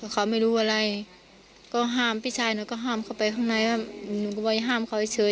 เขาไม่รู้อะไรก็ห้ามพี่ชายหนูก็ห้ามเข้าไปข้างในว่าหนูก็ไปห้ามเขาเฉย